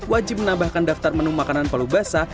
wajib menambahkan daftar menu makanan palubasa